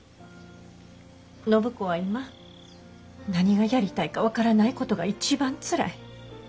暢子は今何がやりたいか分からないことが一番つらい。